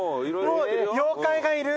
妖怪がいる。